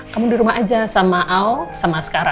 kamu di rumah aja sama ao sama sekarang